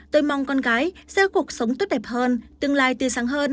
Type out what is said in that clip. tôi mong con gái sẽ cuộc sống tốt đẹp hơn tương lai tươi sáng hơn